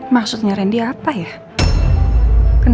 benar pak nino